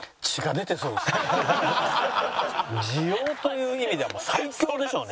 滋養という意味ではもう最強でしょうね。